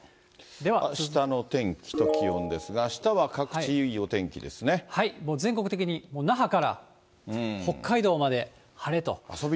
あしたの天気と気温ですが、あしたは各地、全国的に、もう那覇から北海道まで晴れと。